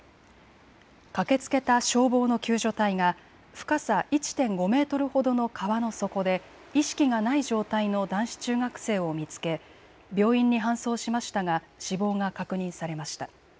駆けつけた消防の救助隊が深さ１．５メートルほどの川の底で意識がない状態の男子中学生を見つけ病院に搬送しましたが死亡が確認されました。